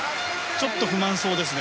ちょっと不満そうですね